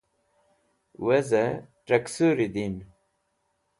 Weze! Taksuri Din